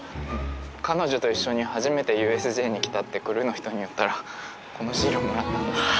彼女と一緒に初めてＵＳＪに来たってクルーの人に言ったらこのシールもらったんです。